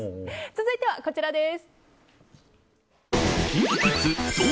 続いてはこちらです。